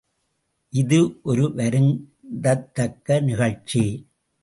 இது ஒரு வருந்தத்தக்க நிகழ்ச்சி.